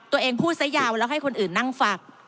ตัวเองพูดซะยาวแล้วให้คนอื่นนั่งฟัง